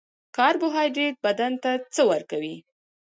کاربوهایدریت بدن ته څه ورکوي